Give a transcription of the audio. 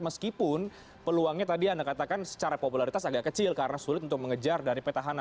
meskipun peluangnya tadi anda katakan secara popularitas agak kecil karena sulit untuk mengejar dari petahana